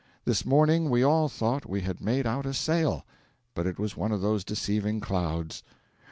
This morning we all thought we had made out a sail; but it was one of those deceiving clouds.